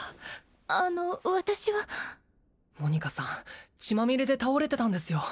あの私はモニカさん血まみれで倒れてたんですよ